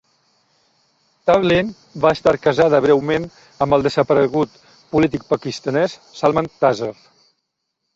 Tavleen va estar casada breument amb el desaparegut polític pakistanès Salman Taseer.